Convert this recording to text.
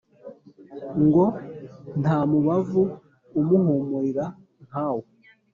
ngo ntamubavu umuhumurira nkawe